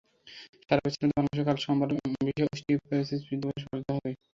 সারা বিশ্বের মতো বাংলাদেশেও কাল সোমবার বিশ্ব অস্টিওপোরেসিস দিবস পালিত হবে।